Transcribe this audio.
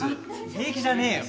平気じゃねえよ